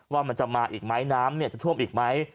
ว่ามันจะมาอีกไหมน้ำจะท่วมอีกไหม